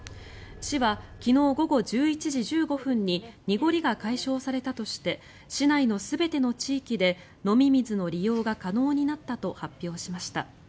市は昨日午後１１時１５分に濁りが解消されたとして市内の全ての地域で飲み水の利用が可能になったと発表しました。